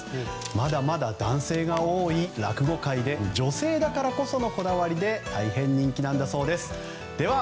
まだまだ男性が多い落語界で女性だからこそのこだわりで大変、人気なんだそうです。